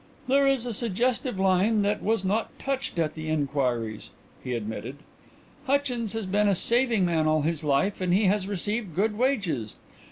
"There is a suggestive line that was not touched at the inquiries," he admitted. "Hutchins has been a saving man all his life, and he has received good wages.